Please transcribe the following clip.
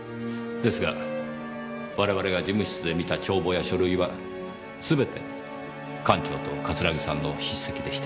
ですが我々が事務室で見た帳簿や書類はすべて館長と桂木さんの筆跡でした。